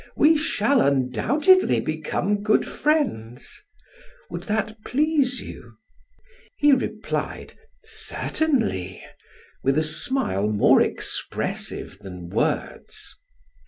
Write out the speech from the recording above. We shall undoubtedly become good friends; would that please you?" He replied: "Certainly," with a smile more expressive than words.